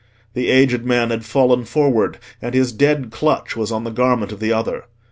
The aged man had fallen forward, and his dead clutch was on the garment of the other.